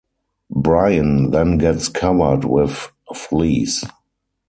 Brian then gets covered with fleas.